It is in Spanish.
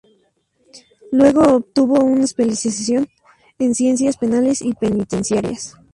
Luego obtuvo una especialización en ciencias penales y penitenciarias.